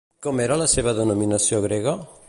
Com era la seva denominació grega?